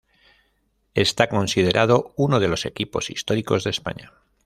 Esta considerado uno de los equipos históricos de España.